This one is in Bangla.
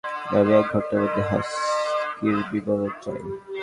আমি এক ঘন্টার মধ্যে হাস্কির বিবরণ চাই।